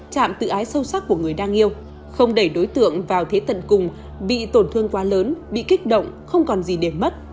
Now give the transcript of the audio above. chạm tự ái sâu sắc của người đang yêu không đẩy đối tượng vào thế tận cùng bị tổn thương quá lớn bị kích động không còn gì để mất